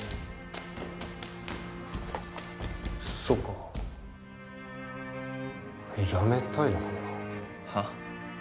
そうか俺やめたいのかもなはっ？